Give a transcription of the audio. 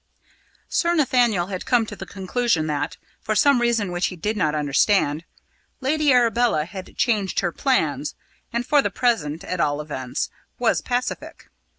Sir Nathaniel had come to the conclusion that, for some reason which he did not understand, Lady Arabella had changed her plans, and, for the present at all events, was pacific.